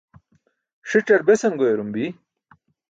ṣic̣ar besan goyarum bi?